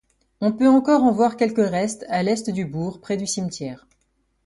On peut encore en voir quelques restes à l'est du bourg près du cimetière.